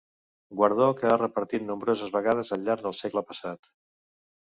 Guardó que ha repetit nombroses vegades al llarg del segle passat.